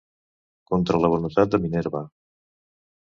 Contra la voluntat de Minerva.